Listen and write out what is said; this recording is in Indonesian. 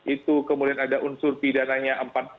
itu kemudian ada unsur pidananya empat ratus sembilan puluh dua